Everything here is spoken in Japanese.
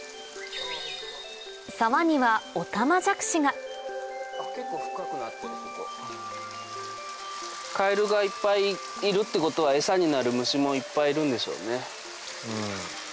沢にはオタマジャクシがカエルがいっぱいいるってことは餌になる虫もいっぱいいるんでしょうね。